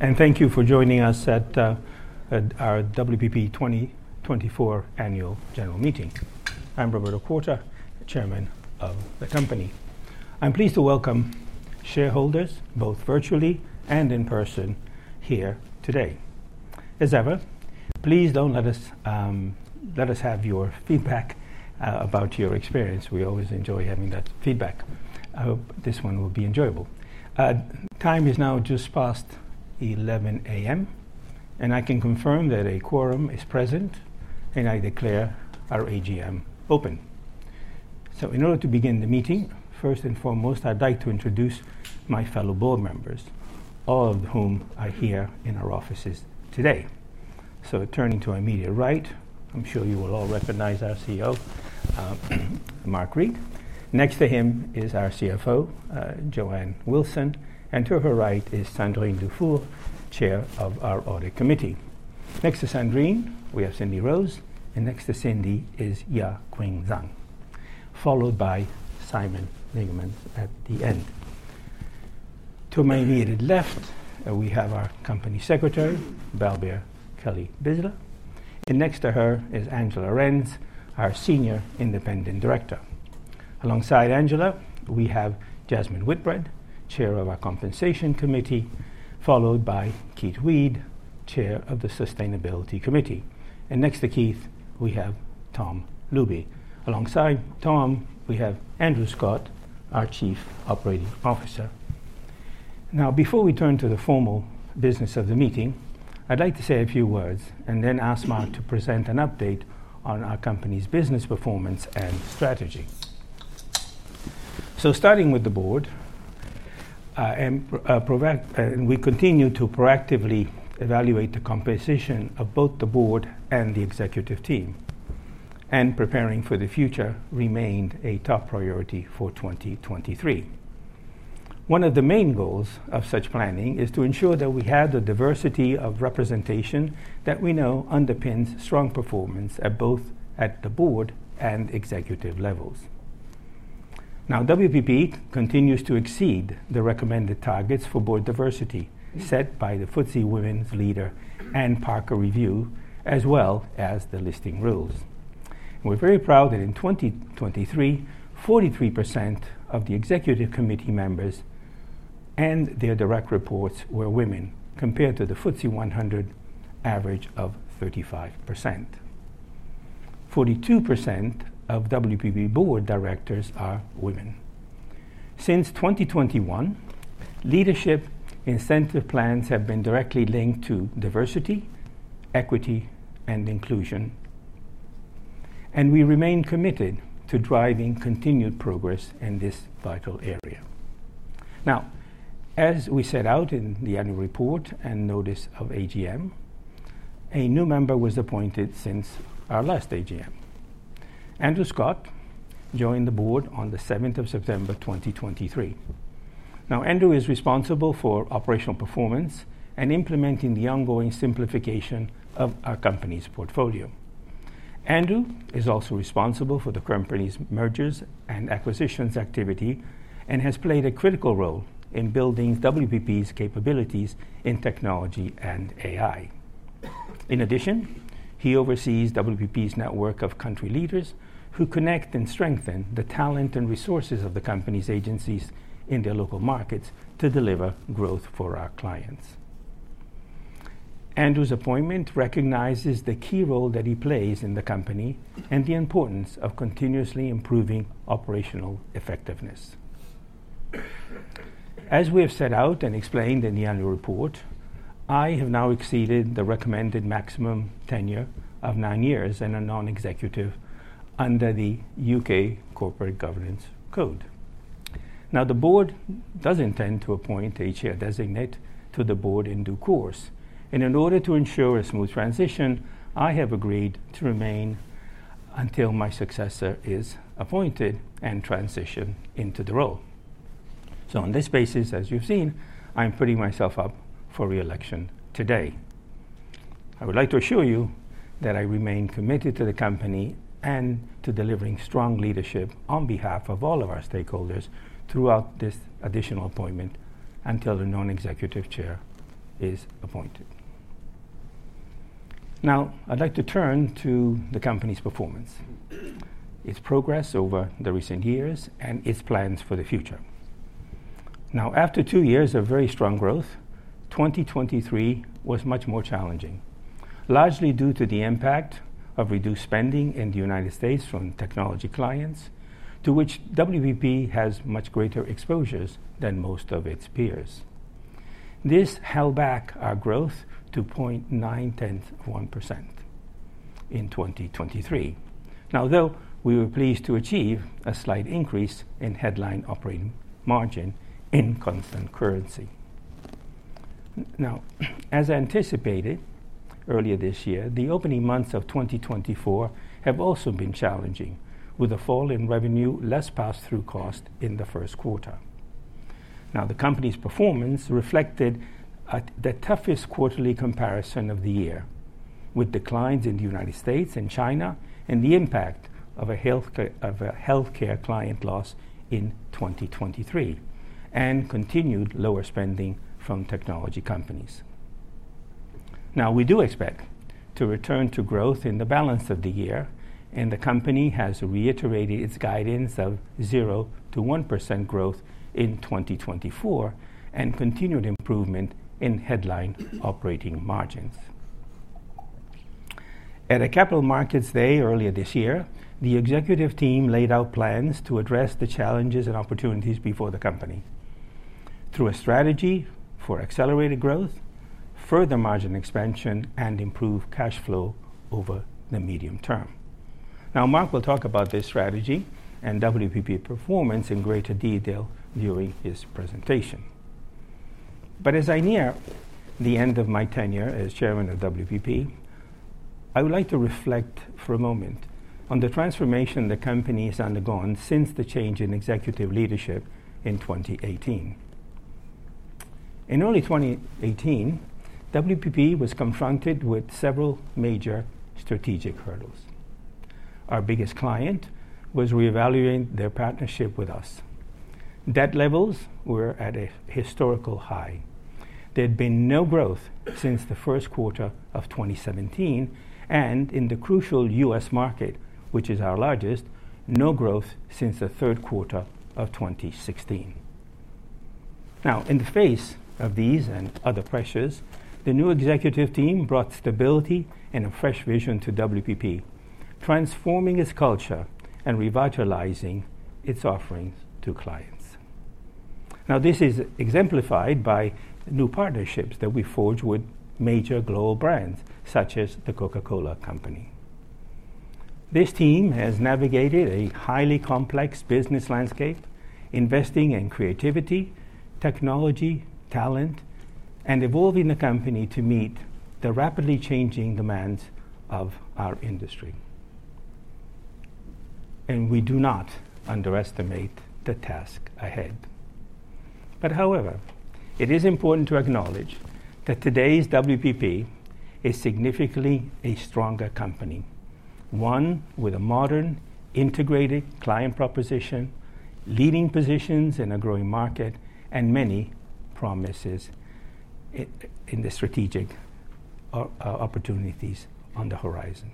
Thank you for joining us at our WPP 2024 Annual General Meeting. I'm Roberto Quarta, Chairman of the Company. I'm pleased to welcome shareholders, both virtually and in person, here today. As ever, please let us have your feedback about your experience. We always enjoy having that feedback. I hope this one will be enjoyable. Time is now just past 11:00 A.M., and I can confirm that a quorum is present, and I declare our AGM open. In order to begin the meeting, first and foremost, I'd like to introduce my fellow board members, all of whom are here in our offices today. Turning to our immediate right, I'm sure you will all recognize our CEO, Mark Read. Next to him is our CFO, Joanne Wilson, and to her right is Sandrine Dufour, Chair of our Audit Committee. Next to Sandrine, we have Cindy Rose, and next to Cindy is Ya-Qin Zhang, followed by Simon Dingemans at the end. To my immediate left, we have our Company Secretary, Balbir Kelly-Bisla, and next to her is Angela Ahrendts, our Senior Independent Director. Alongside Angela, we have Jasmine Whitbread, Chair of our Compensation Committee, followed by Keith Weed, Chair of the Sustainability Committee. And next to Keith, we have Tom Ilube. Alongside Tom, we have Andrew Scott, our Chief Operating Officer. Now, before we turn to the formal business of the meeting, I'd like to say a few words and then ask Mark to present an update on our company's business performance and strategy. So, starting with the board, and we continue to proactively evaluate the composition of both the board and the executive team, and preparing for the future remained a top priority for 2023. One of the main goals of such planning is to ensure that we have the diversity of representation that we know underpins strong performance at both the board and executive levels. Now, WPP continues to exceed the recommended targets for board diversity set by the FTSE Women Leaders Review and Parker Review, as well as the listing rules. We're very proud that in 2023, 43% of the executive committee members and their direct reports were women, compared to the FTSE 100 average of 35%. 42% of WPP board directors are women. Since 2021, leadership incentive plans have been directly linked to diversity, equity, and inclusion, and we remain committed to driving continued progress in this vital area. Now, as we set out in the annual report and notice of AGM, a new member was appointed since our last AGM. Andrew Scott joined the board on the 7th of September, 2023. Now, Andrew is responsible for operational performance and implementing the ongoing simplification of our company's portfolio. Andrew is also responsible for the company's mergers and acquisitions activity and has played a critical role in building WPP's capabilities in technology and AI. In addition, he oversees WPP's network of country leaders who connect and strengthen the talent and resources of the company's agencies in their local markets to deliver growth for our clients. Andrew's appointment recognizes the key role that he plays in the company and the importance of continuously improving operational effectiveness. As we have set out and explained in the annual report, I have now exceeded the recommended maximum tenure of nine years in a non-executive under the UK Corporate Governance Code. Now, the board does intend to appoint a Chair designate to the board in due course, and in order to ensure a smooth transition, I have agreed to remain until my successor is appointed and transition into the role. So, on this basis, as you've seen, I'm putting myself up for reelection today. I would like to assure you that I remain committed to the company and to delivering strong leadership on behalf of all of our stakeholders throughout this additional appointment until the non-executive chair is appointed. Now, I'd like to turn to the company's performance, its progress over the recent years, and its plans for the future. Now, after 2 years of very strong growth, 2023 was much more challenging, largely due to the impact of reduced spending in the United States from technology clients, to which WPP has much greater exposures than most of its peers. This held back our growth to 0.91% in 2023. Now, though, we were pleased to achieve a slight increase in headline operating margin in constant currency. Now, as anticipated earlier this year, the opening months of 2024 have also been challenging, with a fall in revenue less pass-through cost in the first quarter. Now, the company's performance reflected the toughest quarterly comparison of the year, with declines in the United States and China and the impact of a healthcare client loss in 2023 and continued lower spending from technology companies. Now, we do expect to return to growth in the balance of the year, and the company has reiterated its guidance of 0%-1% growth in 2024 and continued improvement in headline operating margins. At a Capital Markets Day earlier this year, the executive team laid out plans to address the challenges and opportunities before the company through a strategy for accelerated growth, further margin expansion, and improved cash flow over the medium term. Now, Mark will talk about this strategy and WPP performance in greater detail during his presentation. But as I near the end of my tenure as Chairman of WPP, I would like to reflect for a moment on the transformation the company has undergone since the change in executive leadership in 2018. In early 2018, WPP was confronted with several major strategic hurdles. Our biggest client was reevaluating their partnership with us. Debt levels were at a historical high. There had been no growth since the first quarter of 2017, and in the crucial US market, which is our largest, no growth since the third quarter of 2016. Now, in the face of these and other pressures, the new executive team brought stability and a fresh vision to WPP, transforming its culture and revitalizing its offerings to clients. Now, this is exemplified by new partnerships that we forged with major global brands, such as the Coca-Cola Company. This team has navigated a highly complex business landscape, investing in creativity, technology, talent, and evolving the company to meet the rapidly changing demands of our industry. We do not underestimate the task ahead. However, it is important to acknowledge that today's WPP is significantly a stronger company, one with a modern, integrated client proposition, leading positions in a growing market, and many promises in the strategic opportunities on the horizon.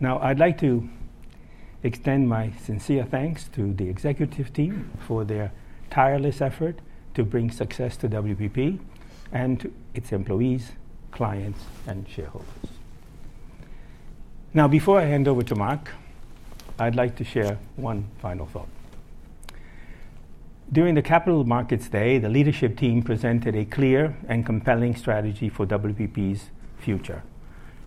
Now, I'd like to extend my sincere thanks to the executive team for their tireless effort to bring success to WPP and to its employees, clients, and shareholders. Now, before I hand over to Mark, I'd like to share one final thought. During the Capital Markets Day, the leadership team presented a clear and compelling strategy for WPP's future,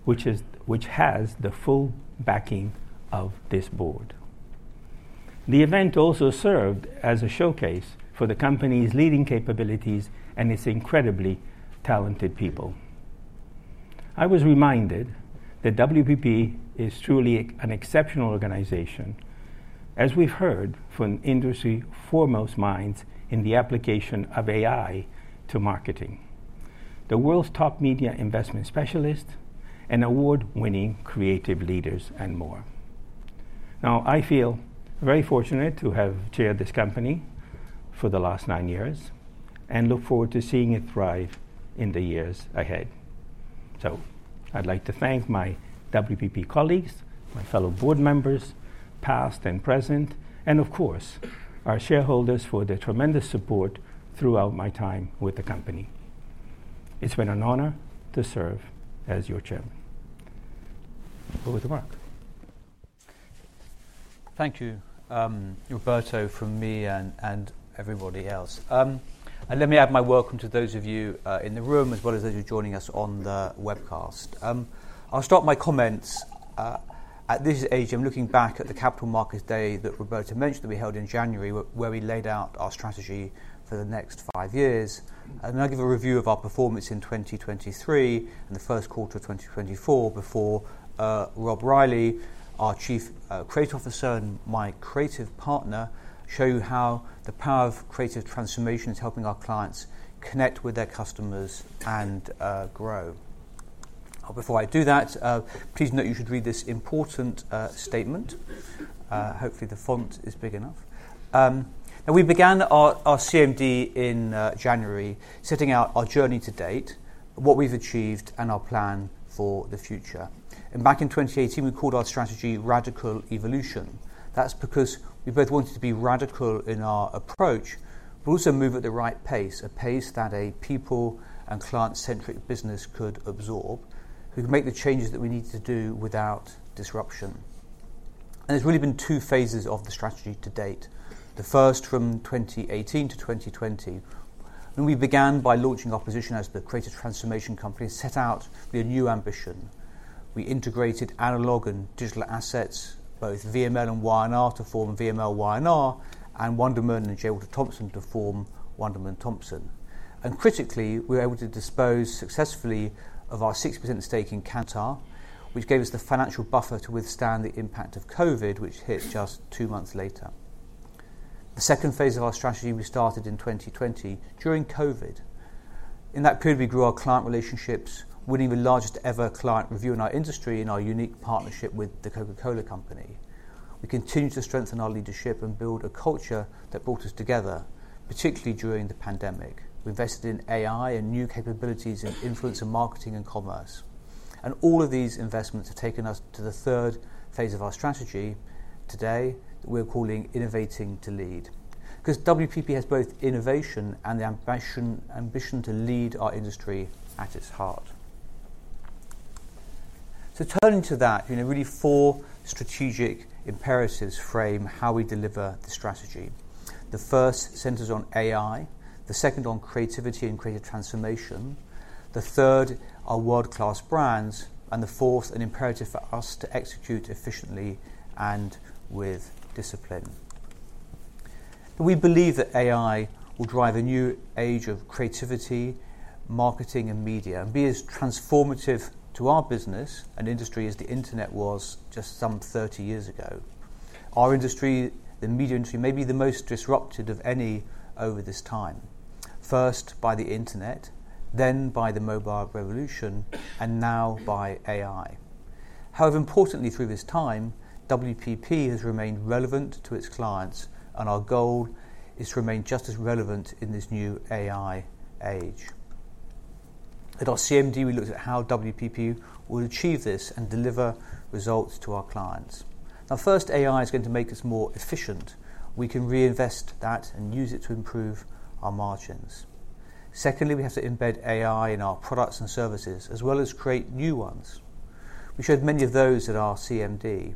which has the full backing of this board. The event also served as a showcase for the company's leading capabilities and its incredibly talented people. I was reminded that WPP is truly an exceptional organization, as we've heard from industry's foremost minds in the application of AI to marketing: the world's top media investment specialist, an award-winning creative leader, and more. Now, I feel very fortunate to have chaired this company for the last nine years and look forward to seeing it thrive in the years ahead. So, I'd like to thank my WPP colleagues, my fellow board members, past and present, and, of course, our shareholders for their tremendous support throughout my time with the company. It's been an honor to serve as your Chairman. Over to Mark. Thank you, Roberto, from me and everybody else. Let me add my welcome to those of you in the room as well as those who are joining us on the webcast. I'll start my comments at this stage. I'm looking back at the Capital Markets Day that Roberto mentioned that we held in January, where we laid out our strategy for the next five years. Then I'll give a review of our performance in 2023 and the first quarter of 2024 before Rob Reilly, our Chief Creative Officer and my creative partner, shows you how the power of creative transformation is helping our clients connect with their customers and grow. Before I do that, please note you should read this important statement. Hopefully, the font is big enough. Now, we began our CMD in January, setting out our journey to date, what we've achieved, and our plan for the future. Back in 2018, we called our strategy Radical Evolution. That's because we both wanted to be radical in our approach, but also move at the right pace, a pace that a people and client-centric business could absorb, who could make the changes that we needed to do without disruption. There's really been two phases of the strategy to date, the first from 2018 to 2020. We began by launching our position as the creative transformation company and set out with a new ambition. We integrated analog and digital assets, both VML and Y&R, to form VMLY&R, and Wunderman and J. Walter Thompson to form Wunderman Thompson. And critically, we were able to dispose successfully of our 6% stake in Kantar, which gave us the financial buffer to withstand the impact of COVID, which hit just two months later. The second phase of our strategy we started in 2020 during COVID. In that period, we grew our client relationships, winning the largest-ever client review in our industry in our unique partnership with the Coca-Cola Company. We continued to strengthen our leadership and build a culture that brought us together, particularly during the pandemic. We invested in AI and new capabilities in influencer marketing and commerce. And all of these investments have taken us to the third phase of our strategy today that we're calling Innovating to Lead, because WPP has both innovation and the ambition ambition to lead our industry at its heart. So, turning to that, you know, really, four strategic imperatives frame how we deliver the strategy. The first centers on AI, the second on creativity and creative transformation, the third are world-class brands, and the fourth, an imperative for us to execute efficiently and with discipline. We believe that AI will drive a new age of creativity, marketing, and media, and be as transformative to our business and industry as the internet was just some 30 years ago. Our industry, the media industry, may be the most disrupted of any over this time, first by the internet, then by the mobile revolution, and now by AI. However, importantly, through this time, WPP has remained relevant to its clients, and our goal is to remain just as relevant in this new AI age. At our CMD, we looked at how WPP would achieve this and deliver results to our clients. Now, first, AI is going to make us more efficient. We can reinvest that and use it to improve our margins. Secondly, we have to embed AI in our products and services, as well as create new ones. We showed many of those at our CMD.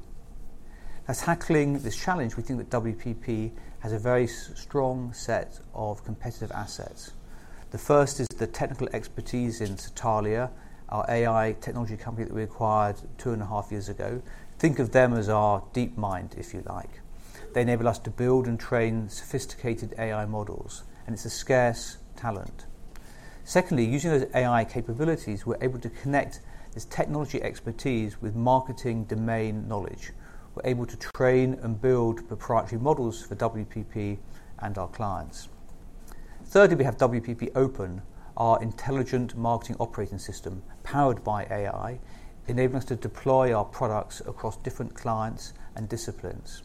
Now, tackling this challenge, we think that WPP has a very strong set of competitive assets. The first is the technical expertise in Satalia, our AI technology company that we acquired 2.5 years ago. Think of them as our DeepMind, if you like. They enable us to build and train sophisticated AI models, and it's a scarce talent. Secondly, using those AI capabilities, we're able to connect this technology expertise with marketing domain knowledge. We're able to train and build proprietary models for WPP and our clients. Thirdly, we have WPP Open, our intelligent marketing operating system powered by AI, enabling us to deploy our products across different clients and disciplines.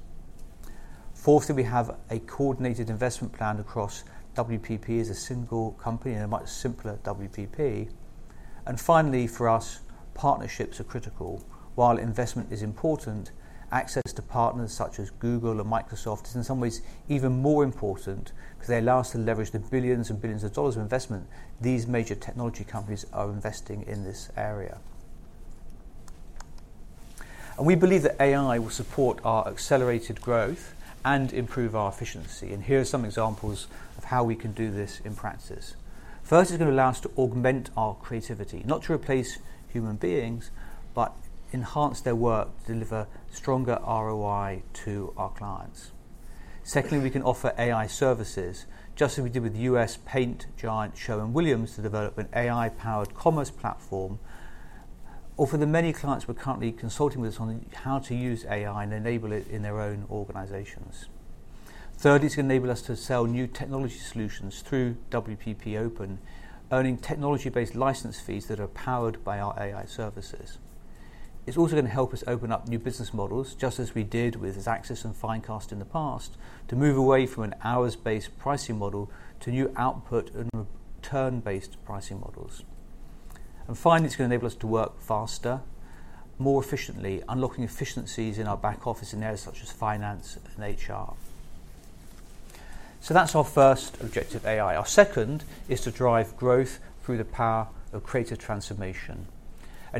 Fourthly, we have a coordinated investment plan across WPP as a single company and a much simpler WPP. Finally, for us, partnerships are critical. While investment is important, access to partners such as Google and Microsoft is, in some ways, even more important because they allow us to leverage the billions and billions of dollars of investment these major technology companies are investing in this area. We believe that AI will support our accelerated growth and improve our efficiency. Here are some examples of how we can do this in practice. First, it's going to allow us to augment our creativity, not to replace human beings, but enhance their work to deliver stronger ROI to our clients. Secondly, we can offer AI services, just as we did with the U.S. paint giant Sherwin-Williams to develop an AI-powered commerce platform, offering the many clients we're currently consulting with on how to use AI and enable it in their own organizations. Thirdly, it's going to enable us to sell new technology solutions through WPP Open, earning technology-based license fees that are powered by our AI services. It's also going to help us open up new business models, just as we did with Essence and Finecast in the past, to move away from an hours-based pricing model to new output and return-based pricing models. And finally, it's going to enable us to work faster, more efficiently, unlocking efficiencies in our back office in areas such as finance and HR. So that's our first objective, AI. Our second is to drive growth through the power of creative transformation.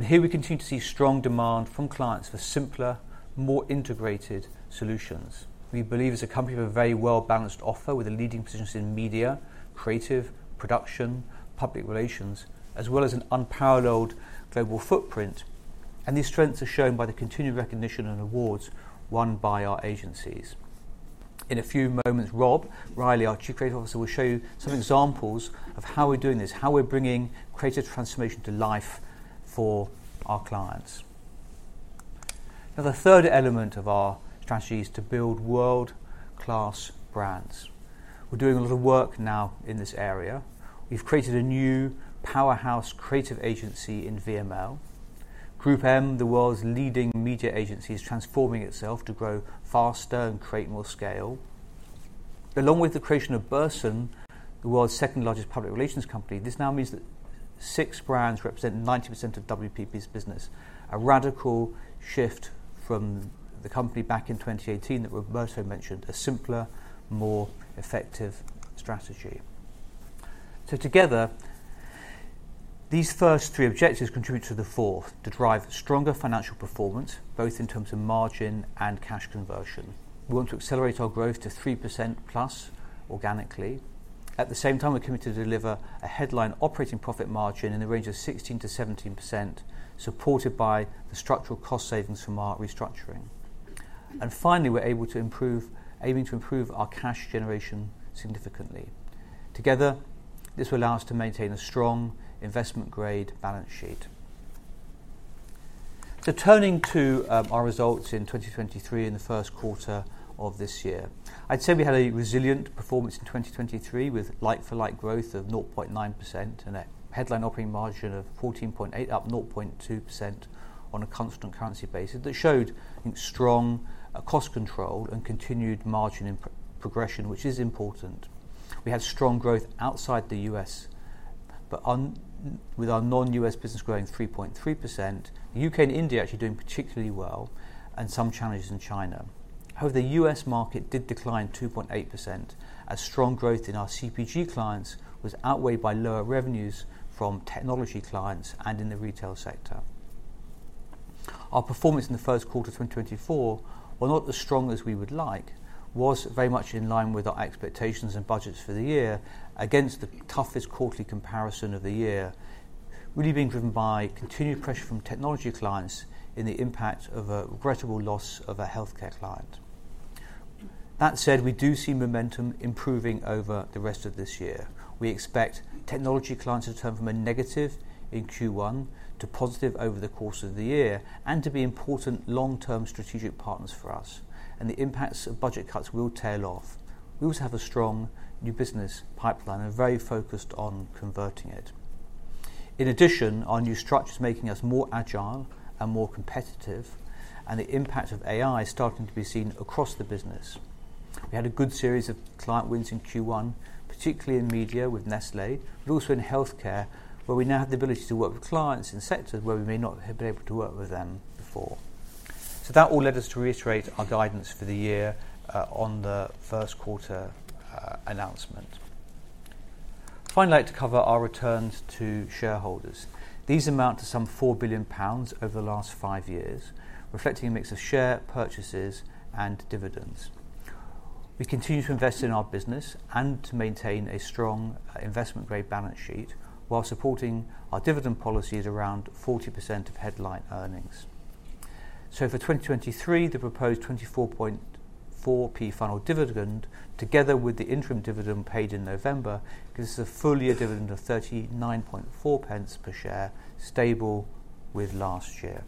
Here we continue to see strong demand from clients for simpler, more integrated solutions. We believe, as a company, we have a very well-balanced offer with a leading position in media, creative, production, public relations, as well as an unparalleled global footprint. These strengths are shown by the continued recognition and awards won by our agencies. In a few moments, Rob Reilly, our Chief Creative Officer, will show you some examples of how we're doing this, how we're bringing creative transformation to life for our clients. Now, the third element of our strategy is to build world-class brands. We're doing a lot of work now in this area. We've created a new powerhouse creative agency in VML. GroupM, the world's leading media agency, is transforming itself to grow faster and create more scale. Along with the creation of Burson, the world's second-largest public relations company, this now means that six brands represent 90% of WPP's business, a radical shift from the company back in 2018 that Roberto mentioned, a simpler, more effective strategy. So together, these first three objectives contribute to the fourth, to drive stronger financial performance, both in terms of margin and cash conversion. We want to accelerate our growth to 3% plus organically. At the same time, we're committed to deliver a headline operating profit margin in the range of 16%-17%, supported by the structural cost savings from our restructuring. And finally, we're able to improve, aiming to improve our cash generation significantly. Together, this will allow us to maintain a strong investment-grade balance sheet. Turning to our results in 2023 in the first quarter of this year, I'd say we had a resilient performance in 2023 with like-for-like growth of 0.9% and a headline operating margin of 14.8%, up 0.2% on a constant currency basis that showed, I think, strong cost control and continued margin progression, which is important. We had strong growth outside the U.S., but with our non-U.S. business growing 3.3%, the U.K. and India actually doing particularly well, and some challenges in China. However, the U.S. market did decline 2.8%, as strong growth in our CPG clients was outweighed by lower revenues from technology clients and in the retail sector. Our performance in the first quarter of 2024, while not as strong as we would like, was very much in line with our expectations and budgets for the year, against the toughest quarterly comparison of the year, really being driven by continued pressure from technology clients in the impact of a regrettable loss of a healthcare client. That said, we do see momentum improving over the rest of this year. We expect technology clients to turn from a negative in Q1 to positive over the course of the year and to be important long-term strategic partners for us. The impacts of budget cuts will tail off. We also have a strong new business pipeline and are very focused on converting it. In addition, our new structure is making us more agile and more competitive, and the impact of AI is starting to be seen across the business. We had a good series of client wins in Q1, particularly in media with Nestlé, but also in healthcare, where we now have the ability to work with clients in sectors where we may not have been able to work with them before. So that all led us to reiterate our guidance for the year, on the first quarter, announcement. Finally, I'd like to cover our returns to shareholders. These amount to some 4 billion pounds over the last 5 years, reflecting a mix of share purchases and dividends. We continue to invest in our business and to maintain a strong, investment-grade balance sheet while supporting our dividend policies around 40% of headline earnings. So for 2023, the proposed 24.4p final dividend, together with the interim dividend paid in November, gives us a full-year dividend of 39.4p per share, stable with last year.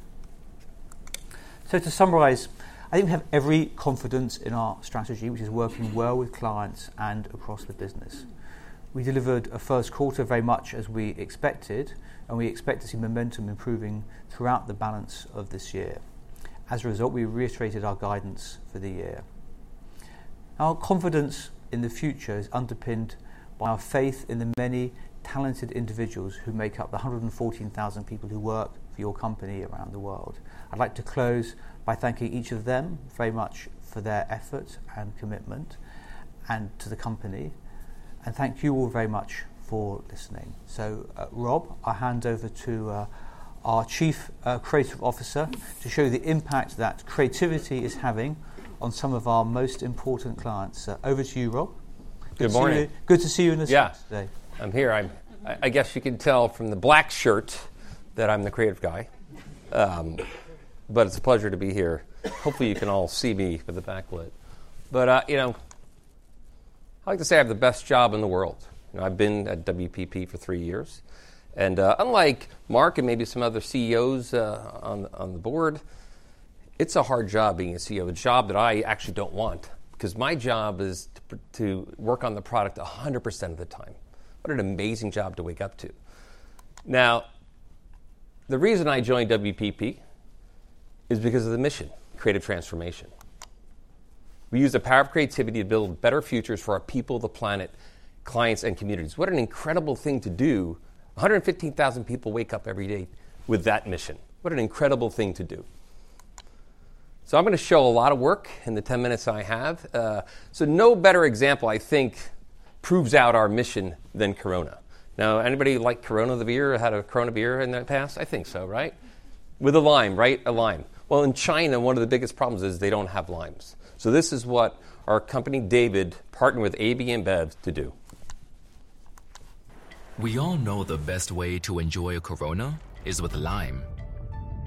So to summarize, I think we have every confidence in our strategy, which is working well with clients and across the business. We delivered a first quarter very much as we expected, and we expect to see momentum improving throughout the balance of this year. As a result, we reiterated our guidance for the year. Our confidence in the future is underpinned by our faith in the many talented individuals who make up the 114,000 people who work for your company around the world. I'd like to close by thanking each of them very much for their efforts and commitment, and to the company. And thank you all very much for listening. So, Rob, I'll hand over to our Chief Creative Officer to show you the impact that creativity is having on some of our most important clients. Over to you, Rob. Good to see you in this room today. Good morning. Yeah. I'm here. I guess you can tell from the black shirt that I'm the creative guy. But it's a pleasure to be here. Hopefully, you can all see me with the backlit. But, you know, I like to say I have the best job in the world. You know, I've been at WPP for three years. Unlike Mark and maybe some other CEOs on the board, it's a hard job being a CEO, a job that I actually don't want, because my job is to work on the product 100% of the time. What an amazing job to wake up to. Now, the reason I joined WPP is because of the mission, creative transformation. We use the power of creativity to build better futures for our people, the planet, clients, and communities. What an incredible thing to do. 115,000 people wake up every day with that mission. What an incredible thing to do. So I'm going to show a lot of work in the 10 minutes I have. So no better example, I think, proves out our mission than Corona. Now, anybody like Corona the beer? Had a Corona beer in the past? I think so, right? With a lime, right? A lime. Well, in China, one of the biggest problems is they don't have limes. So this is what our company, David, partnered with AB InBev to do. We all know the best way to enjoy a Corona is with lime.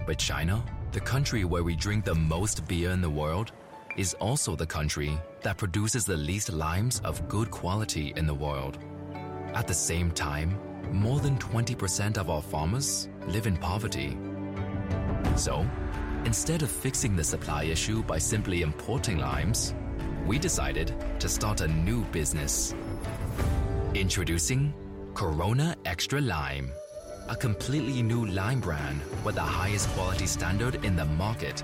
But China, the country where we drink the most beer in the world, is also the country that produces the least limes of good quality in the world. At the same time, more than 20% of our farmers live in poverty. So instead of fixing the supply issue by simply importing limes, we decided to start a new business. Introducing Corona Extra Lime, a completely new lime brand where the highest quality standard in the market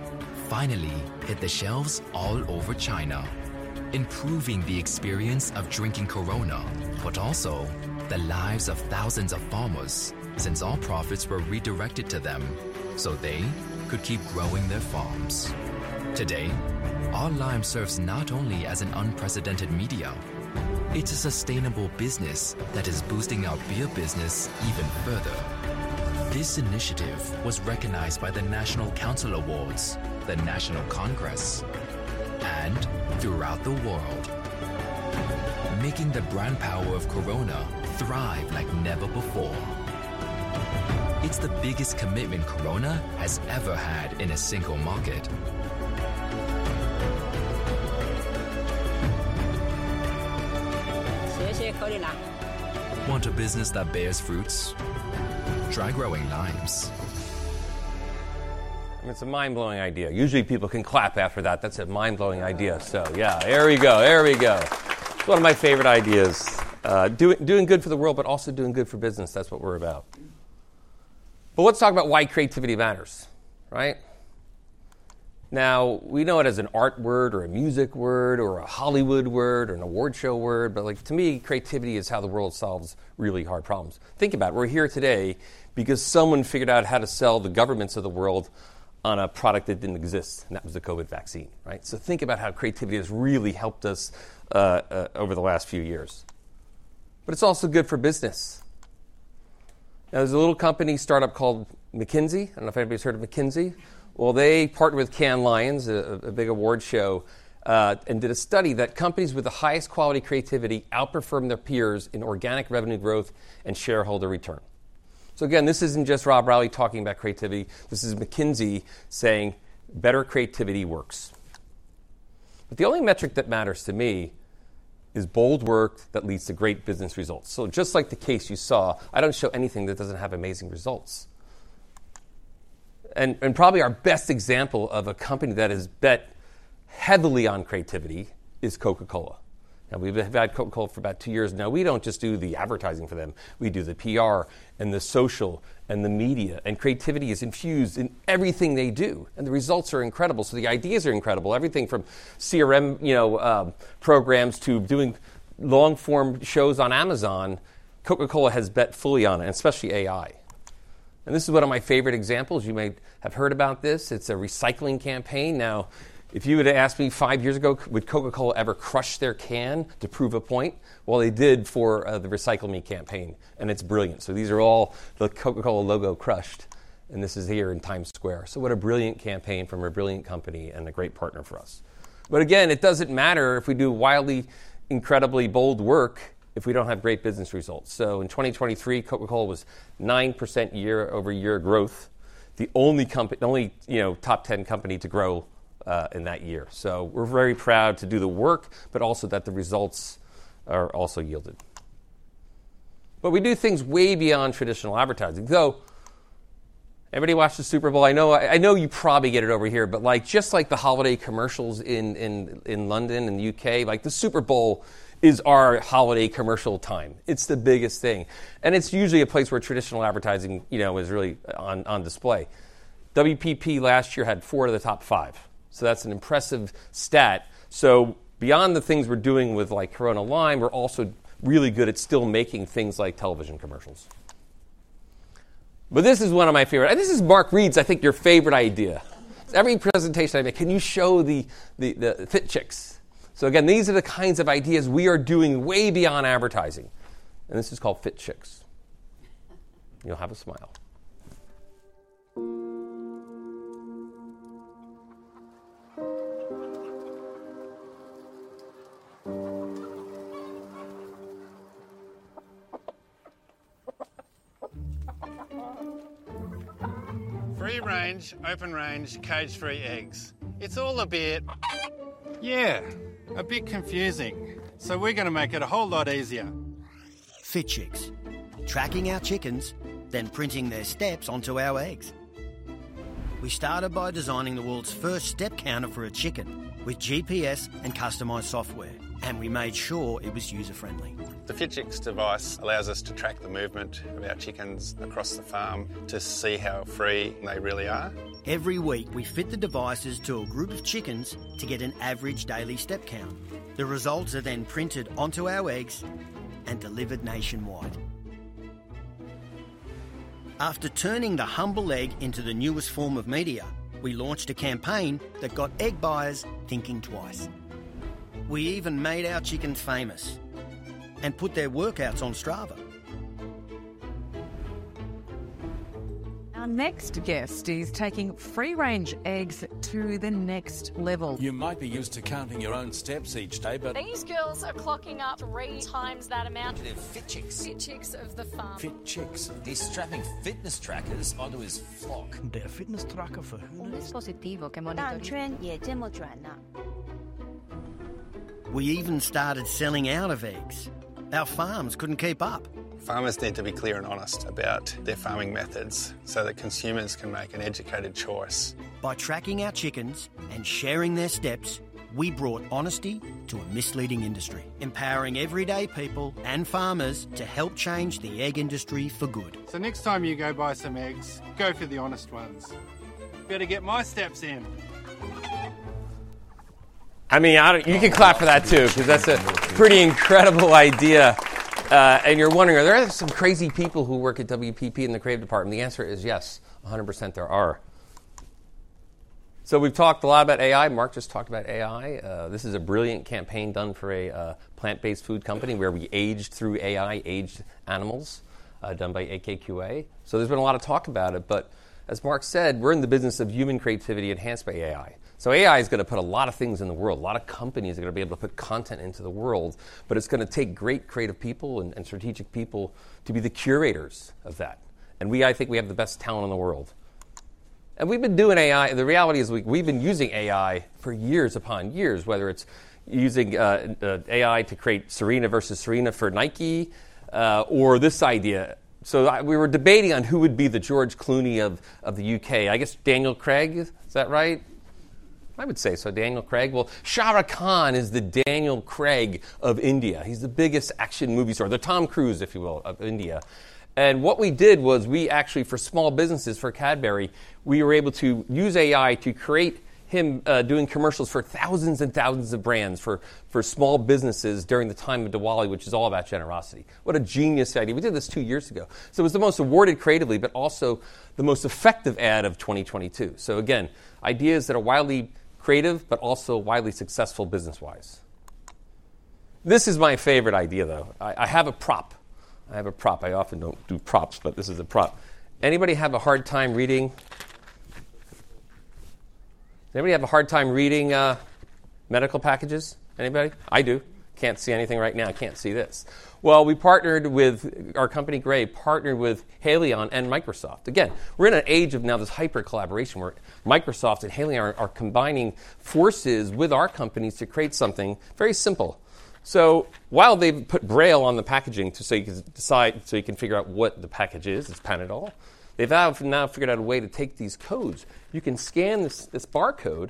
finally hit the shelves all over China, improving the experience of drinking Corona, but also the lives of thousands of farmers since all profits were redirected to them so they could keep growing their farms. Today, our lime serves not only as an unprecedented medium. It's a sustainable business that is boosting our beer business even further. This initiative was recognized by the National Council Awards, the National Congress, and throughout the world, making the brand power of Corona thrive like never before. It's the biggest commitment Corona has ever had in a single market. Want a business that bears fruits? Try growing limes. I mean, it's a mind-blowing idea. Usually, people can clap after that. That's a mind-blowing idea. So yeah, there we go. There we go. It's one of my favorite ideas. Doing good for the world, but also doing good for business. That's what we're about. But let's talk about why creativity matters, right? Now, we know it as an art word or a music word or a Hollywood word or an award show word. But like, to me, creativity is how the world solves really hard problems. Think about it. We're here today because someone figured out how to sell the governments of the world on a product that didn't exist, and that was the COVID vaccine, right? So think about how creativity has really helped us, over the last few years. But it's also good for business. Now, there's a little company startup called McKinsey. I don't know if anybody's heard of McKinsey. Well, they partnered with Cannes Lions, a big award show, and did a study that companies with the highest quality creativity outperformed their peers in organic revenue growth and shareholder return. So again, this isn't just Rob Reilly talking about creativity. This is McKinsey saying better creativity works. But the only metric that matters to me is bold work that leads to great business results. So just like the case you saw, I don't show anything that doesn't have amazing results. And probably our best example of a company that has bet heavily on creativity is Coca-Cola. Now, we've had Coca-Cola for about 2 years now. We don't just do the advertising for them. We do the PR and the social and the media. And creativity is infused in everything they do. And the results are incredible. So the ideas are incredible. Everything from CRM, you know, programs to doing long-form shows on Amazon, Coca-Cola has bet fully on it, and especially AI. And this is one of my favorite examples. You may have heard about this. It's a recycling campaign. Now, if you had asked me five years ago, would Coca-Cola ever crush their can to prove a point? Well, they did for the Recycle Me campaign. And it's brilliant. So these are all the Coca-Cola logo crushed. And this is here in Times Square. So what a brilliant campaign from a brilliant company and a great partner for us. But again, it doesn't matter if we do wildly, incredibly bold work if we don't have great business results. So in 2023, Coca-Cola was 9% year-over-year growth, the only company, the only, you know, top 10 company to grow in that year. So we're very proud to do the work, but also that the results are also yielded. But we do things way beyond traditional advertising, though. Everybody watches Super Bowl. I know I know you probably get it over here, but like, just like the holiday commercials in London and the U.K., like, the Super Bowl is our holiday commercial time. It's the biggest thing. And it's usually a place where traditional advertising, you know, is really on display. WPP last year had 4 of the top 5. So that's an impressive stat. So beyond the things we're doing with, like, Corona Lime, we're also really good at still making things like television commercials. But this is one of my favorite. And this is Mark Read's, I think, your favorite idea. Every presentation I make, "Can you show the FitChix?" So again, these are the kinds of ideas we are doing way beyond advertising. And this is called FitChix. You'll have a smile. Free range, open range, cage-free eggs. It's all a bit... Yeah, a bit confusing. So we're going to make it a whole lot easier. FitChix. Tracking our chickens, then printing their steps onto our eggs. We started by designing the world's first step counter for a chicken with GPS and customized software, and we made sure it was user-friendly. The FitChix device allows us to track the movement of our chickens across the farm to see how free they really are. Every week, we fit the devices to a group of chickens to get an average daily step count. The results are then printed onto our eggs and delivered nationwide. After turning the humble egg into the newest form of media, we lodged a campaign that got egg buyers thinking twice. We even made our chickens famous and put their workouts on Strava. Our next guest is taking free-range eggs to the next level. You might be used to counting your own steps each day, but... These girls are clocking up three times that amount. FitChix. FitChix of the farm. FitChix. He's strapping fitness trackers onto his flock. We even started selling out of eggs. Our farms couldn't keep up. Farmers need to be clear and honest about their farming methods so that consumers can make an educated choice. By tracking our chickens and sharing their steps, we brought honesty to a misleading industry, empowering everyday people and farmers to help change the egg industry for good. So next time you go buy some eggs, go for the honest ones. Better get my steps in. I mean, you can clap for that too, because that's a pretty incredible idea. And you're wondering, are there some crazy people who work at WPP in the creative department? The answer is yes, 100% there are. So we've talked a lot about AI. Mark just talked about AI. This is a brilliant campaign done for a plant-based food company where we aged through AI, aged animals, done by AKQA. So there's been a lot of talk about it. But as Mark said, we're in the business of human creativity enhanced by AI. So AI is going to put a lot of things in the world. A lot of companies are going to be able to put content into the world, but it's going to take great creative people and strategic people to be the curators of that. And we, I think we have the best talent in the world. And we've been doing AI. The reality is we've been using AI for years upon years, whether it's using AI to create Serena versus Serena for Nike, or this idea. So we were debating on who would be the George Clooney of the U.K. I guess Daniel Craig. Is that right? I would say so. Daniel Craig. Well, Shah Rukh Khan is the Daniel Craig of India. He's the biggest action movie star, the Tom Cruise, if you will, of India. What we did was we actually, for small businesses, for Cadbury, we were able to use AI to create him doing commercials for thousands and thousands of brands, for small businesses during the time of Diwali, which is all about generosity. What a genius idea. We did this two years ago. So it was the most awarded creatively, but also the most effective ad of 2022. So again, ideas that are wildly creative, but also wildly successful business-wise. This is my favorite idea, though. I have a prop. I have a prop. I often don't do props, but this is a prop. Anybody have a hard time reading? Does anybody have a hard time reading medical packages? Anybody? I do. Can't see anything right now. I can't see this. Well, we partnered with our company, Grey, partnered with Haleon and Microsoft. Again, we're in an age of now this hyper-collaboration where Microsoft and Haleon are combining forces with our companies to create something very simple. So while they've put Braille on the packaging to so you can decide so you can figure out what the package is, it's Panadol, they've now figured out a way to take these codes. You can scan this barcode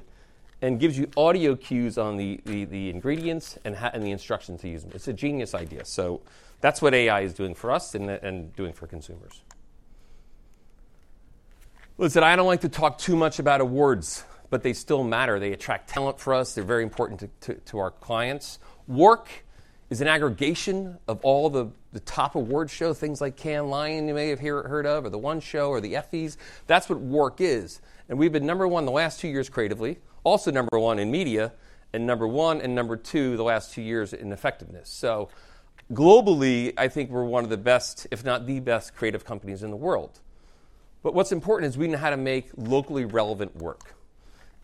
and it gives you audio cues on the ingredients and the instructions to use them. It's a genius idea. So that's what AI is doing for us and doing for consumers. Like I said, I don't like to talk too much about awards, but they still matter. They attract talent for us. They're very important to our clients. Work is an aggregation of all the top award shows, things like Cannes Lions you may have heard of, or the One Show or the Effies. That's what work is. We've been number 1 the last 2 years creatively, also number 1 in media, and number 1 and number 2 the last 2 years in effectiveness. Globally, I think we're one of the best, if not the best, creative companies in the world. What's important is we know how to make locally relevant work.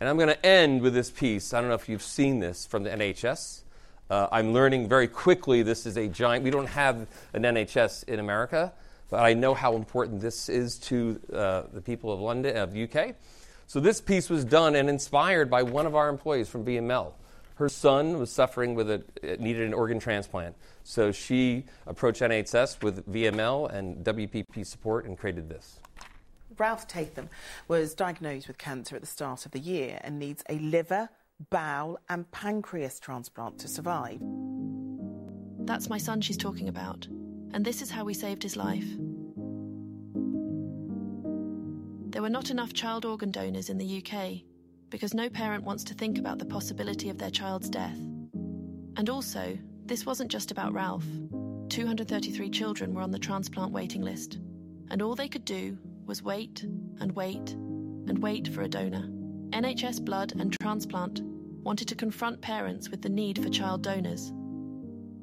I'm going to end with this piece. I don't know if you've seen this from the NHS. I'm learning very quickly. This is a giant; we don't have an NHS in America, but I know how important this is to the people of London, of the U.K. This piece was done and inspired by one of our employees from VML. Her son was suffering and needed an organ transplant. She approached NHS with VML and WPP support and created this. Ralph Tatham was diagnosed with cancer at the start of the year and needs a liver, bowel, and pancreas transplant to survive. That's my son she's talking about. And this is how we saved his life. There were not enough child organ donors in the UK because no parent wants to think about the possibility of their child's death. And also, this wasn't just about Ralph. 233 children were on the transplant waiting list, and all they could do was wait and wait and wait for a donor. NHS Blood and Transplant wanted to confront parents with the need for child donors.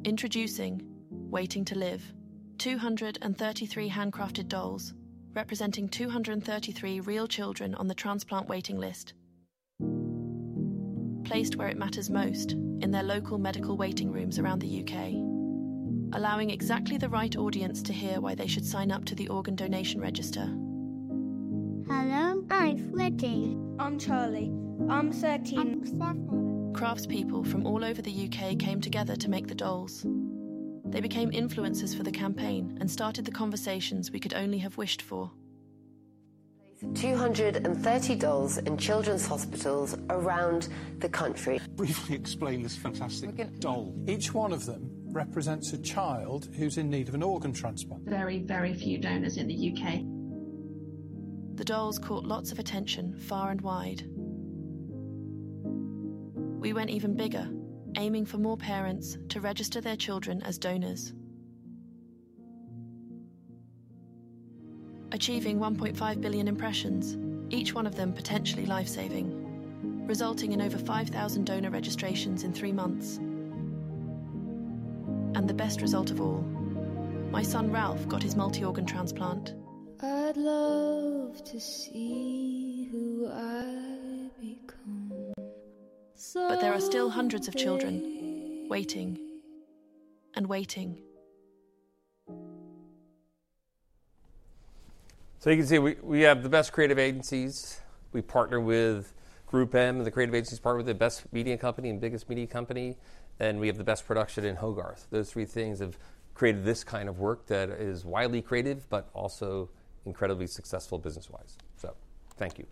Introducing Waiting to Live, 233 handcrafted dolls representing 233 real children on the transplant waiting list, placed where it matters most, in their local medical waiting rooms around the UK, allowing exactly the right audience to hear why they should sign up to the organ donation register. Hello. I'm Freddie. I'm Charlie. I'm 13. I'm Stephan. Craftspeople from all over the U.K. came together to make the dolls. They became influencers for the campaign and started the conversations we could only have wished for. 230 dolls in children's hospitals around the country. Briefly explain this fantastic doll. Each one of them represents a child who's in need of an organ transplant. Very, very few donors in the U.K. The dolls caught lots of attention far and wide. We went even bigger, aiming for more parents to register their children as donors, achieving 1.5 billion impressions, each one of them potentially lifesaving, resulting in over 5,000 donor registrations in three months. And the best result of all, my son Ralph got his multi-organ transplant. I'd love to see who I become. But there are still hundreds of children waiting and waiting. So you can see we have the best creative agencies. We partner with GroupM, the creative agency's partner with the best media company and biggest media company. And we have the best production in Hogarth. Those three things have created this kind of work that is widely creative, but also incredibly successful business-wise. So thank you.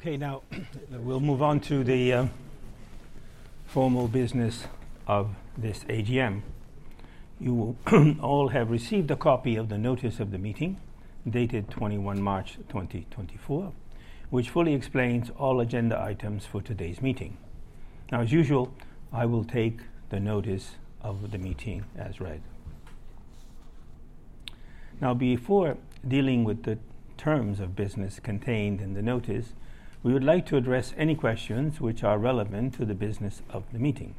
Okay. Now, we'll move on to the formal business of this AGM. You will all have received a copy of the notice of the meeting dated 21 March 2024, which fully explains all agenda items for today's meeting. Now, as usual, I will take the notice of the meeting as read. Now, before dealing with the terms of business contained in the notice, we would like to address any questions which are relevant to the business of the meeting.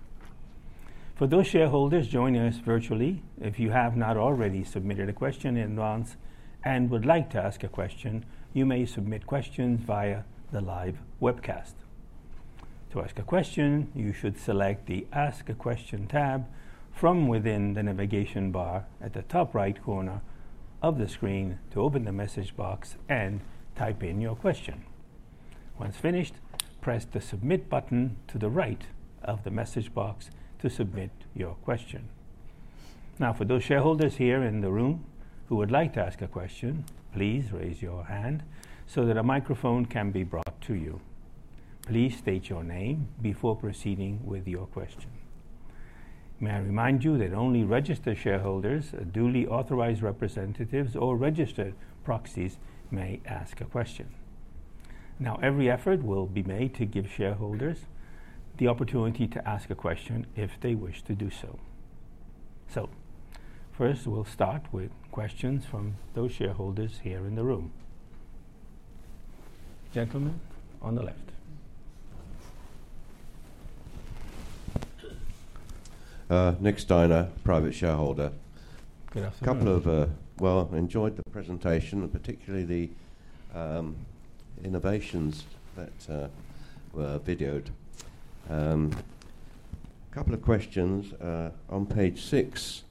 For those shareholders joining us virtually, if you have not already submitted a question in advance and would like to ask a question, you may submit questions via the live webcast. To ask a question, you should select the Ask a Question tab from within the navigation bar at the top right corner of the screen to open the message box and type in your question. Once finished, press the Submit button to the right of the message box to submit your question. Now, for those shareholders here in the room who would like to ask a question, please raise your hand so that a microphone can be brought to you. Please state your name before proceeding with your question. May I remind you that only registered shareholders, duly authorized representatives, or registered proxies may ask a question. Now, every effort will be made to give shareholders the opportunity to ask a question if they wish to do so. So first, we'll start with questions from those shareholders here in the room. Gentlemen on the left. Nick Steiner, private shareholder. Good afternoon. A couple of well, I enjoyed the presentation, and particularly the innovations that were videoed. A couple of questions. On page six,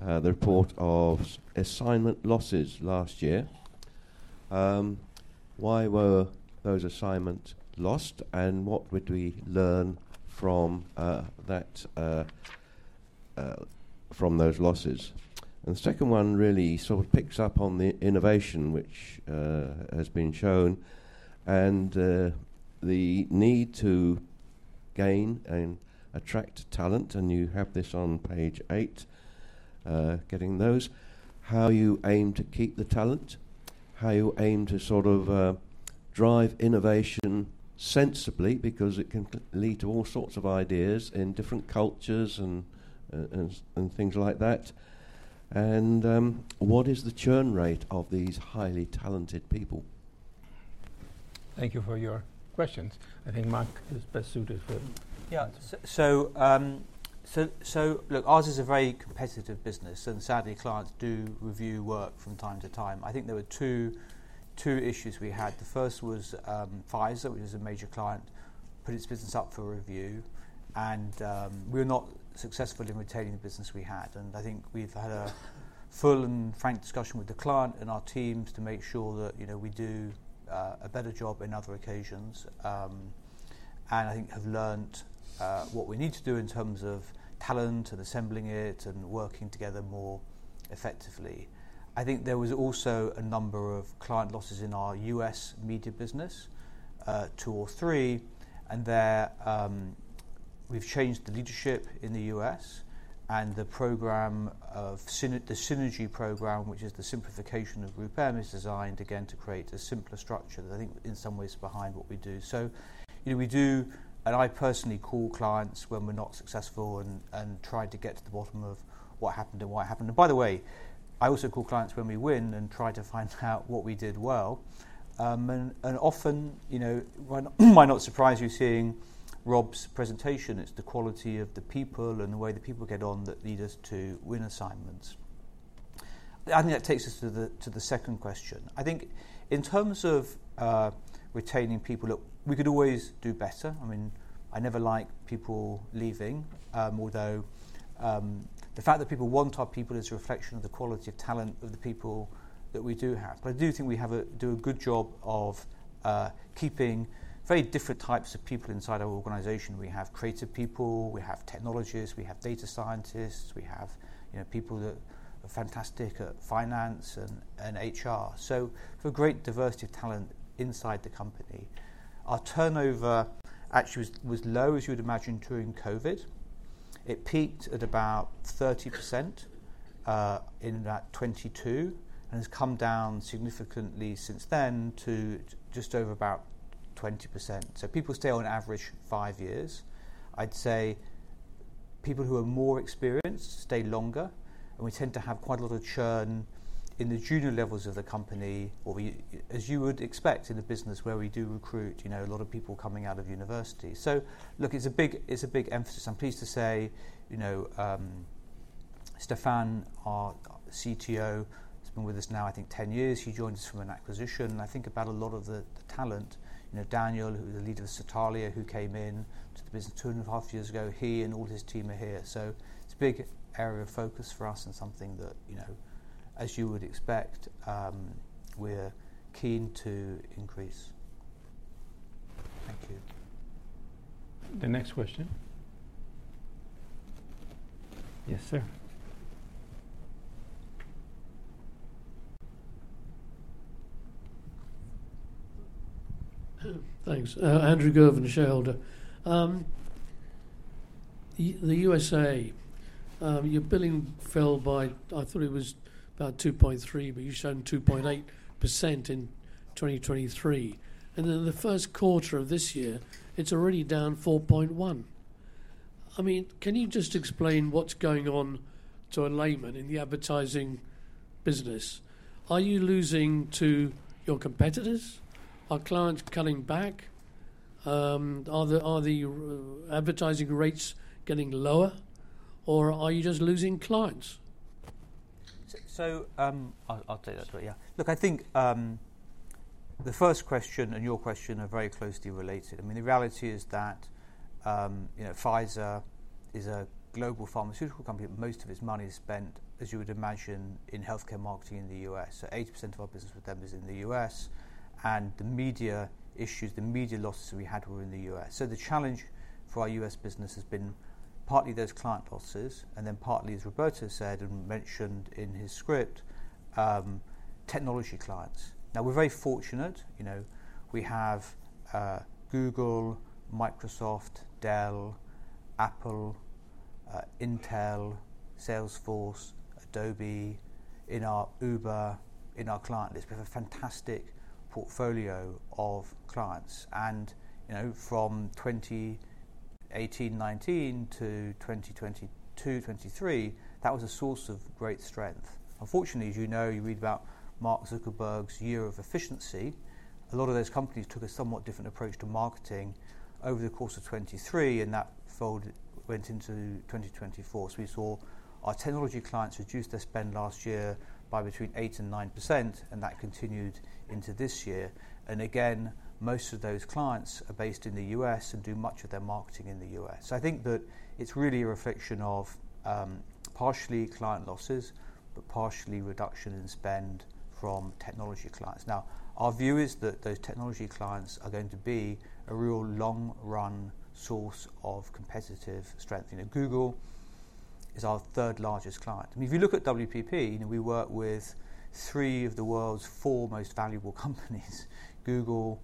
the report of assignment losses last year. Why were those assignments lost, and what would we learn from those losses? And the second one really sort of picks up on the innovation which has been shown and the need to gain and attract talent. And you have this on page eight, getting those, how you aim to keep the talent, how you aim to sort of drive innovation sensibly because it can lead to all sorts of ideas in different cultures and things like that. And what is the churn rate of these highly talented people? Thank you for your questions. I think Mark is best suited for. Yeah. So look, ours is a very competitive business, and sadly, clients do review work from time to time. I think there were two issues we had. The first was Pfizer, which is a major client, put its business up for review, and we were not successful in retaining the business we had. I think we've had a full and frank discussion with the client and our teams to make sure that we do a better job in other occasions, and I think have learned what we need to do in terms of talent and assembling it and working together more effectively. I think there was also a number of client losses in our US media business, two or three. We've changed the leadership in the US and the synergy program, which is the simplification of GroupM, is designed, again, to create a simpler structure that I think in some ways is behind what we do. So we do, and I personally call clients when we're not successful and try to get to the bottom of what happened and why it happened. And by the way, I also call clients when we win and try to find out what we did well. And often, it might not surprise you seeing Rob's presentation. It's the quality of the people and the way the people get on that lead us to win assignments. I think that takes us to the second question. I think in terms of retaining people, look, we could always do better. I mean, I never like people leaving, although the fact that people want our people is a reflection of the quality of talent of the people that we do have. But I do think we do a good job of keeping very different types of people inside our organization. We have creative people. We have technologists. We have data scientists. We have people that are fantastic at finance and HR. So we have a great diversity of talent inside the company. Our turnover actually was low, as you would imagine, during COVID. It peaked at about 30% in that 2022 and has come down significantly since then to just over about 20%. So people stay on average five years. I'd say people who are more experienced stay longer. And we tend to have quite a lot of churn in the junior levels of the company, as you would expect in a business where we do recruit a lot of people coming out of university. So look, it's a big emphasis. I'm pleased to say Stephan, our CTO, has been with us now, I think, 10 years. He joined us from an acquisition. I think about a lot of the talent, Daniel, who was the leader of Satalia, who came into the business 2.5 years ago, he and all his team are here. So it's a big area of focus for us and something that, as you would expect, we're keen to increase. Thank you. The next question. Yes, sir. Thanks. Andrew Govan, Shareholder. The USA, your billing fell by I thought it was about 2.3%, but you've shown 2.8% in 2023. And then the first quarter of this year, it's already down 4.1%. I mean, can you just explain what's going on to a layman in the advertising business? Are you losing to your competitors? Are clients cutting back? Are the advertising rates getting lower, or are you just losing clients? So I'll take that to it. Yeah. Look, I think the first question and your question are very closely related. I mean, the reality is that Pfizer is a global pharmaceutical company, but most of its money is spent, as you would imagine, in healthcare marketing in the U.S. So 80% of our business with them is in the U.S. And the media issues, the media losses we had were in the U.S. So the challenge for our U.S. business has been partly those client losses and then partly, as Roberto said and mentioned in his script, technology clients. Now, we're very fortunate. We have Google, Microsoft, Dell, Apple, Intel, Salesforce, Adobe, Uber in our client list. We have a fantastic portfolio of clients. And from 2018, 2019 to 2022, 2023, that was a source of great strength. Unfortunately, as you know, you read about Mark Zuckerberg's year of efficiency. A lot of those companies took a somewhat different approach to marketing over the course of 2023, and that went into 2024. So we saw our technology clients reduce their spend last year by between 8%-9%, and that continued into this year. And again, most of those clients are based in the US and do much of their marketing in the US. So I think that it's really a reflection of partially client losses, but partially reduction in spend from technology clients. Now, our view is that those technology clients are going to be a real long-run source of competitive strength. Google is our third-largest client. I mean, if you look at WPP, we work with three of the world's four most valuable companies, Google,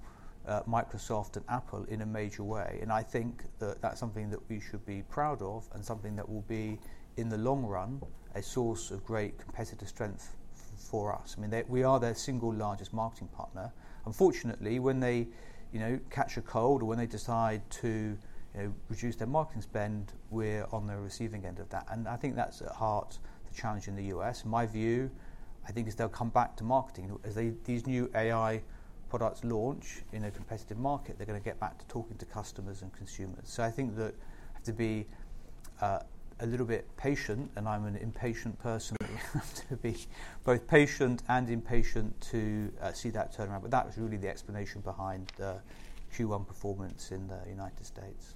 Microsoft, and Apple, in a major way. I think that that's something that we should be proud of and something that will be, in the long run, a source of great competitive strength for us. I mean, we are their single largest marketing partner. Unfortunately, when they catch a cold or when they decide to reduce their marketing spend, we're on the receiving end of that. And I think that's, at heart, the challenge in the US. My view, I think, is they'll come back to marketing. As these new AI products launch in a competitive market, they're going to get back to talking to customers and consumers. So I think that we have to be a little bit patient. And I'm an impatient person. We have to be both patient and impatient to see that turn around. But that was really the explanation behind Q1 performance in the United States.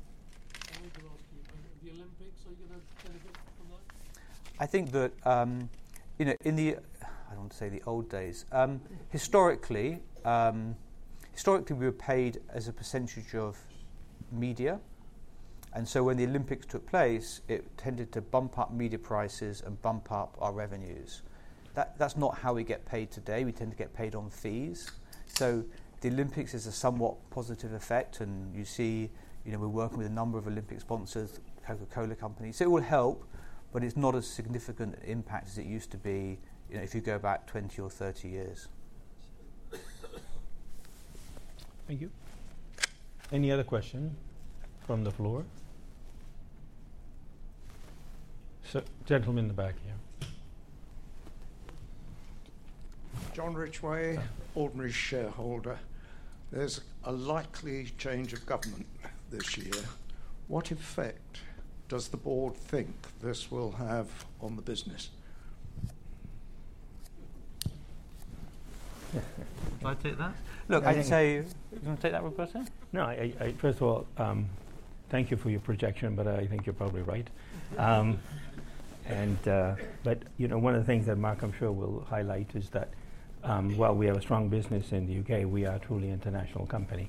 I wanted to ask you, the Olympics, are you going to benefit from that? I think that in the I don't want to say the old days. Historically, we were paid as a percentage of media. And so when the Olympics took place, it tended to bump up media prices and bump up our revenues. That's not how we get paid today. We tend to get paid on fees. So the Olympics has a somewhat positive effect. And you see we're working with a number of Olympic sponsors, Coca-Cola companies. So it will help, but it's not as significant an impact as it used to be if you go back 20 or 30 years. Thank you. Any other question from the floor? Gentleman in the back here. John Ridgway, ordinary shareholder. There's a likely change of government this year. What effect does the board think this will have on the business? Can I take that? Look, I'd say you want to take that, Roberto? No. First of all, thank you for your projection, but I think you're probably right. But one of the things that Mark, I'm sure, will highlight is that while we have a strong business in the UK, we are a truly international company.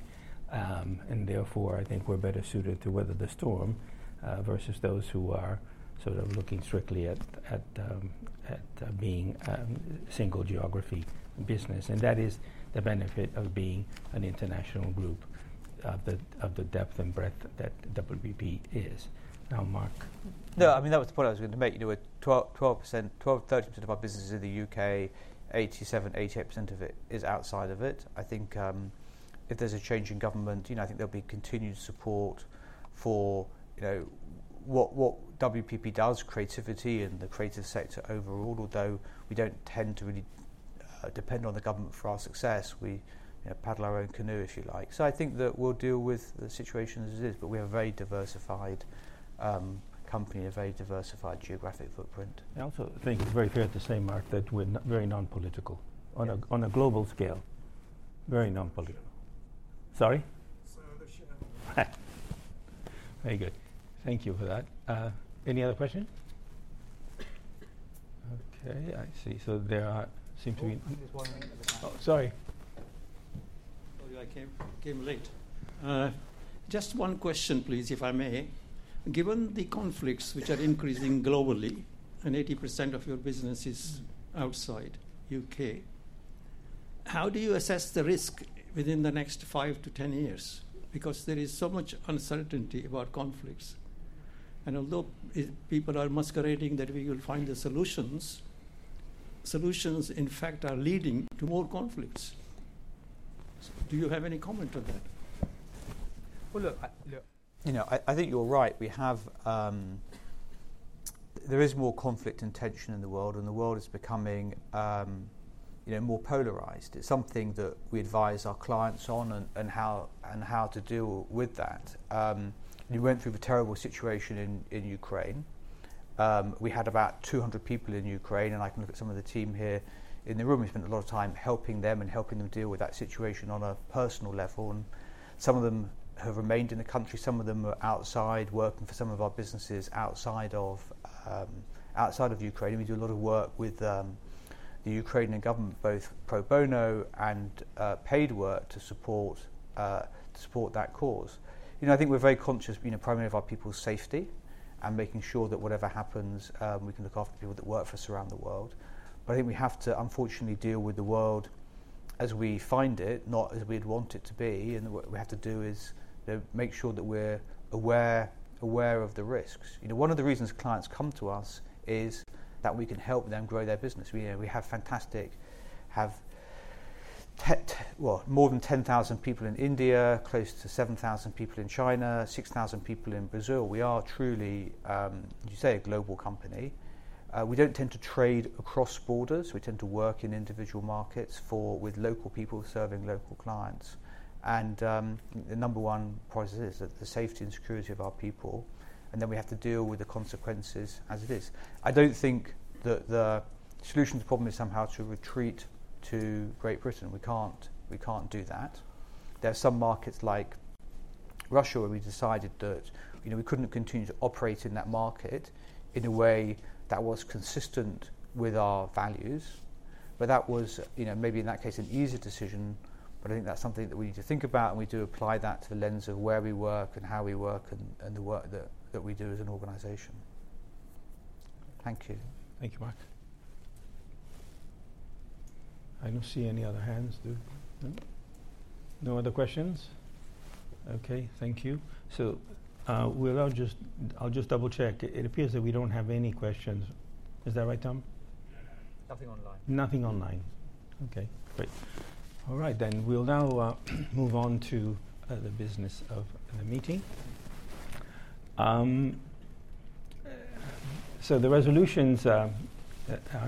And therefore, I think we're better suited to weather the storm versus those who are sort of looking strictly at being a single geography business. And that is the benefit of being an international group, of the depth and breadth that WPP is. Now, Mark. No. I mean, that was the point I was going to make. 12%-13% of our business is in the UK. 87%-88% of it is outside of it. I think if there's a change in government, I think there'll be continued support for what WPP does, creativity and the creative sector overall, although we don't tend to really depend on the government for our success. We paddle our own canoe, if you like. So I think that we'll deal with the situation as it is. But we have a very diversified company, a very diversified geographic footprint. I also think it's very fair to say, Mark, that we're very nonpolitical on a global scale, very nonpolitical. Sorry? So the shareholders. Very good. Thank you for that. Any other question? Okay. I see. So there seem to be. There's one in the back. Oh, sorry. Sorry. I came late. Just one question, please, if I may. Given the conflicts which are increasing globally, and 80% of your business is outside UK, how do you assess the risk within the next 5-10 years? Because there is so much uncertainty about conflicts. And although people are masquerading that we will find the solutions, solutions, in fact, are leading to more conflicts. Do you have any comment on that? Well, look, I think you're right. There is more conflict and tension in the world, and the world is becoming more polarized. It's something that we advise our clients on and how to deal with that. You went through a terrible situation in Ukraine. We had about 200 people in Ukraine. And I can look at some of the team here in the room. We spent a lot of time helping them and helping them deal with that situation on a personal level. Some of them have remained in the country. Some of them are outside working for some of our businesses outside of Ukraine. And we do a lot of work with the Ukrainian government, both pro bono and paid work, to support that cause. I think we're very conscious, primarily, of our people's safety and making sure that whatever happens, we can look after the people that work for us around the world. But I think we have to, unfortunately, deal with the world as we find it, not as we'd want it to be. And what we have to do is make sure that we're aware of the risks. One of the reasons clients come to us is that we can help them grow their business. We have fantastic well, more than 10,000 people in India, close to 7,000 people in China, 6,000 people in Brazil. We are truly, as you say, a global company. We don't tend to trade across borders. We tend to work in individual markets with local people serving local clients. And the number one priority is the safety and security of our people. And then we have to deal with the consequences as it is. I don't think that the solution to the problem is somehow to retreat to Great Britain. We can't do that. There are some markets like Russia where we decided that we couldn't continue to operate in that market in a way that was consistent with our values. But that was maybe, in that case, an easier decision. But I think that's something that we need to think about. And we do apply that to the lens of where we work and how we work and the work that we do as an organization. Thank you. Thank you, Mark. I don't see any other hands, do I? No other questions? Okay. Thank you. So I'll just double-check. It appears that we don't have any questions. Is that right, Tom? Nothing online. Nothing online. Okay. Great. All right. Then we'll now move on to the business of the meeting. So the resolutions are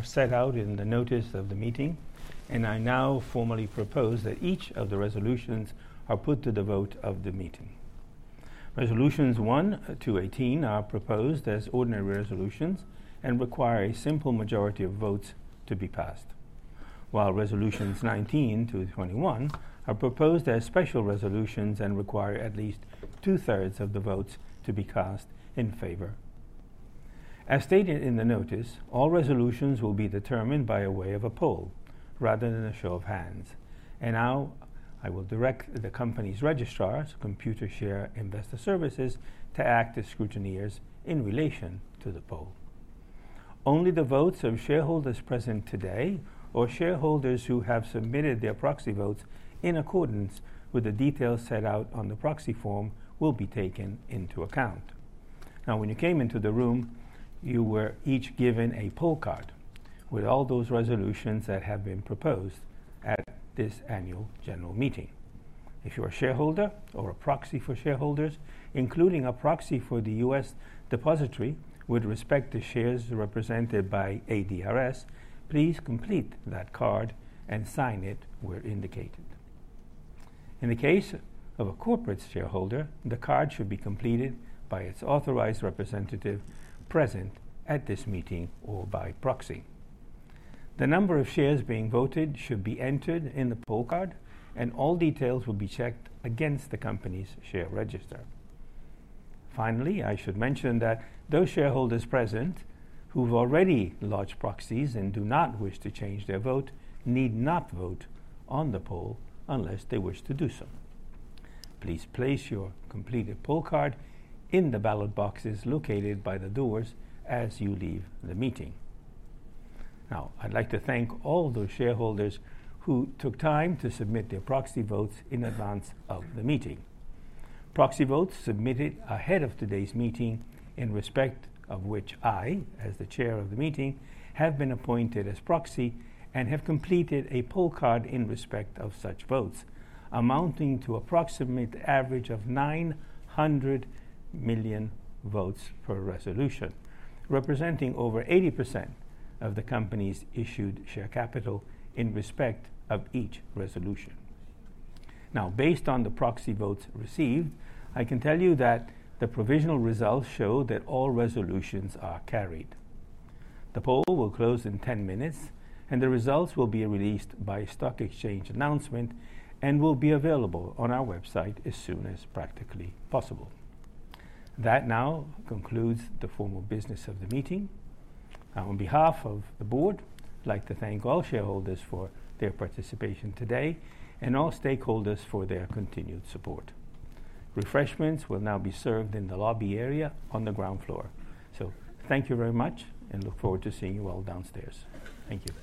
set out in the notice of the meeting. And I now formally propose that each of the resolutions are put to the vote of the meeting. Resolutions 1-18 are proposed as ordinary resolutions and require a simple majority of votes to be passed, while resolutions 19-21 are proposed as special resolutions and require at least two-thirds of the votes to be cast in favor. As stated in the notice, all resolutions will be determined by way of a poll rather than a show of hands. Now I will direct the company's registrar, Computershare Investor Services, to act as scrutineers in relation to the poll. Only the votes of shareholders present today or shareholders who have submitted their proxy votes in accordance with the details set out on the proxy form will be taken into account. Now, when you came into the room, you were each given a poll card with all those resolutions that have been proposed at this annual general meeting. If you're a shareholder or a proxy for shareholders, including a proxy for the U.S. Depositary with respect to shares represented by ADRs, please complete that card and sign it where indicated. In the case of a corporate shareholder, the card should be completed by its authorized representative present at this meeting or by proxy. The number of shares being voted should be entered in the poll card, and all details will be checked against the company's share register. Finally, I should mention that those shareholders present who've already lodged proxies and do not wish to change their vote need not vote on the poll unless they wish to do so. Please place your completed poll card in the ballot boxes located by the doors as you leave the meeting. Now, I'd like to thank all those shareholders who took time to submit their proxy votes in advance of the meeting. Proxy votes submitted ahead of today's meeting, in respect of which I, as the chair of the meeting, have been appointed as proxy and have completed a poll card in respect of such votes, amounting to approximately the average of 900 million votes per resolution, representing over 80% of the company's issued share capital in respect of each resolution. Now, based on the proxy votes received, I can tell you that the provisional results show that all resolutions are carried. The poll will close in 10 minutes, and the results will be released by a stock exchange announcement and will be available on our website as soon as practically possible. That now concludes the formal business of the meeting. Now, on behalf of the board, I'd like to thank all shareholders for their participation today and all stakeholders for their continued support. Refreshments will now be served in the lobby area on the ground floor. Thank you very much, and look forward to seeing you all downstairs. Thank you.